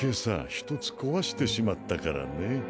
１つ壊してしまったからね。